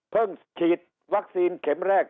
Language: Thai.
ฉีดวัคซีนเข็มแรก